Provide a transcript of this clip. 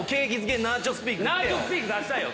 ナーチョスピーク出したいよ！